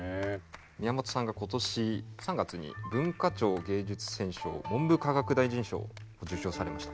宮本さんが今年３月に文化庁芸術選奨文部科学大臣賞を受賞されました。